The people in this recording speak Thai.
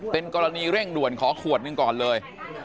เป็นกรณีเร่งด่วนขอขวดหนึ่งก่อนเลย